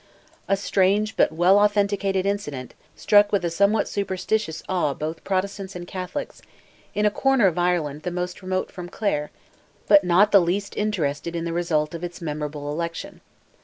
A strange, but well authenticated incident, struck with a somewhat superstitious awe both Protestants and Catholics, in a corner of Ireland the most remote from Clare, but not the least interested in the result of its memorable election.